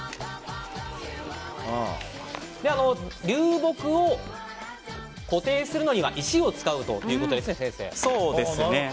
流木を固定するのには石を使うということですね。